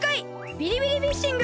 ビリビリフィッシング！